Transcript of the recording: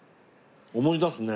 思い出すね。